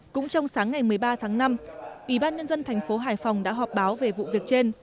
cũng trong sáng ngày một mươi ba tháng năm ủy ban nhân dân thành phố hải phòng đã họp báo về vụ việc trên